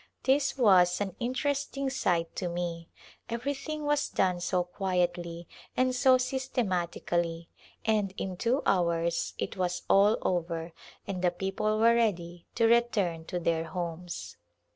This was an interesting sight to me ; every thing was done so quietly and so systematically, and in two hours it was all over and the people were ready to return to their homes.